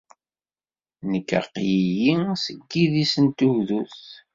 Nekk aql-iyi seg yidis n tugdut.